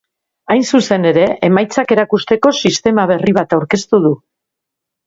Hain zuzen ere, emaitzak erakusteko sistema berri bat aurkeztu du.